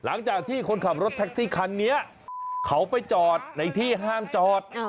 หลังจากที่คนขับรถคันนี้เขาไปจอดในที่ห้างจอดอ๋อ